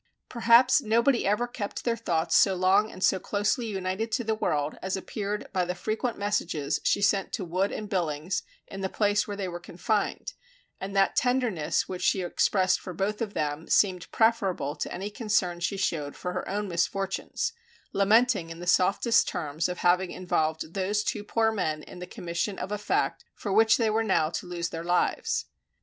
Perhaps nobody ever kept their thoughts so long and so closely united to the world, as appeared by the frequent messages she sent to Wood and Billings in the place where they were confined, and that tenderness which she expressed for both of them seemed preferable to any concern she showed for her own misfortunes, lamenting in the softest terms of having involved those two poor men in the commission of a fact for which they were now to lose their lives.